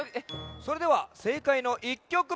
それではせいかいの１きょくめ。